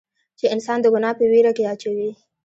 چې انسان د ګناه پۀ وېره کښې اچوي